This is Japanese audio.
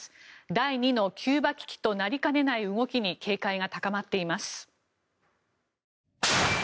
第２のキューバ危機となりかねない動きに警戒が高まっています。